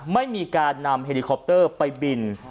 ไม่มีการนำเฮลิคอปเตอร์ไปบิน